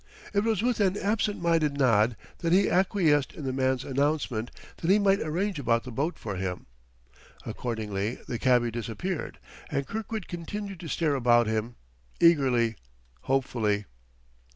It was with an absentminded nod that he acquiesced in the man's announcement that he might arrange about the boat for him. Accordingly the cabby disappeared; and Kirkwood continued to stare about him, eagerly, hopefully.